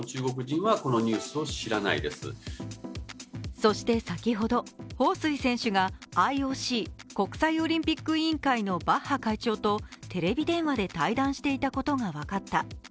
そして先ほど、彭帥選手がＩＯＣ＝国際オリンピック委員会のバッハ会長とテレビ電話で対談していたことが分かった。